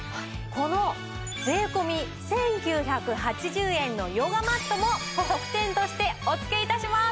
この税込１９８０円のヨガマットも特典としてお付け致します！